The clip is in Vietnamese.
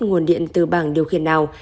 nguồn điện từ bảng điều khiển nào